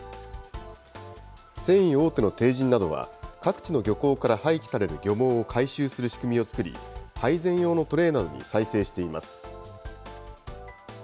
繊維大手の帝人などは、各地の漁港から廃棄される漁網を回収する仕組みを作り、配膳用のトレーなどに再生しています。